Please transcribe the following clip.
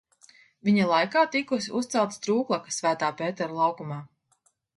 Viņa laikā tikusi uzcelta strūklaka Svētā Pētera laukumā.